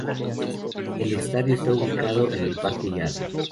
El estadio está ubicado en el parque Jarry.